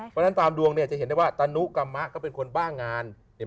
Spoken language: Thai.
เพราะนั้นตามดวงจะเห็นได้ว่าทะนูกรรมะก็เป็นคนบ้างงาน